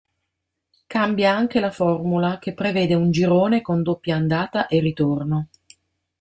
Cambia anche la formula, che prevede un girone con doppia andata e ritorno.